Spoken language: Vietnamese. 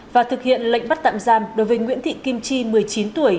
và thực hiện lệnh bắt tạm giam đối với nguyễn thị kim chi một mươi chín tuổi